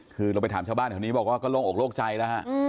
คือเราไปถามชาวบ้านแถวนี้บอกว่าก็โล่งอกโล่งใจแล้วฮะ